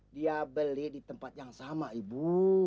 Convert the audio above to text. dia beli di tempat yang sama ibu